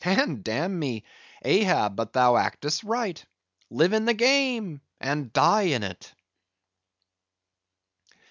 And damn me, Ahab, but thou actest right; live in the game, and die in it!"